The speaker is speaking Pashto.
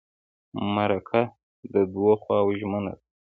مرکه د دوو خواوو ژمنه ده.